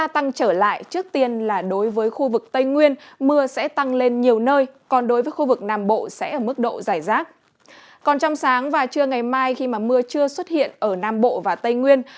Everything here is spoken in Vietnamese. còn trong sáng và trưa ngày mai khi mà mưa chưa xuất hiện ở nam bộ và tây nguyên